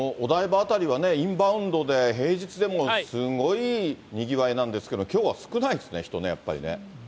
お台場辺りはね、インバウンドで平日でもすごいにぎわいなんですけれども、きょうは少ないですね、人ね、やっぱりね。